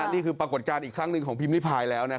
นี่คือปรากฏจานอีกครั้งหนึ่งของพี่มิพายแล้วนะครับ